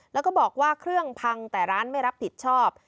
แล้วก็บอกว่าเครื่องพังแต่ร้านไม่รับผิดชอบ